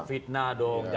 itu fitnah dong